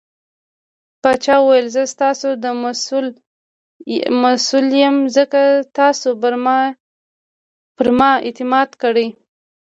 پاچا وويل :زه ستاسو ته مسوول يم ځکه تاسو پرما اعتماد کړٸ .